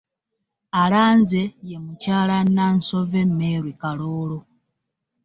Alanze ye Mukyala Nnansovve Mary Kaloolo.